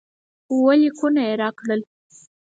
اووه لیکونه یې راکړل.